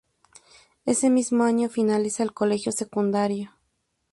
Ese mismo año finaliza el colegio secundario.